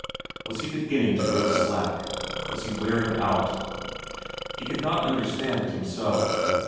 was he beginning to grow slack, was he wearing out? He could not understand it himself.